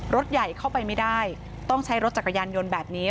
รถใหญ่เข้าไปไม่ได้ต้องใช้รถจักรยานยนต์แบบนี้